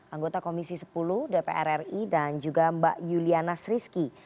anggota komisi sepuluh dpr ri dan juga mbak yulianas rizki